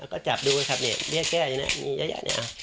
ก็จับดูกันครับเนี่ยเบี้ยแก้อย่างนี้